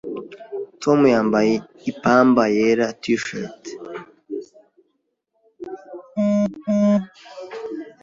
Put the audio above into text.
Tom yambaye ipamba yera T-shirt.